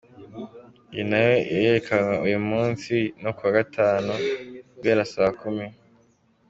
Iyi nayo irerekanwa uyu munsi no kuwa Gatanu guhere saa kumi.